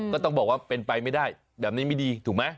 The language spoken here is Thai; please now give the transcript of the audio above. ก็ต้องบอกว่าเป็นไปไม่ได้แบบนี้ไม่ดีถูกไหม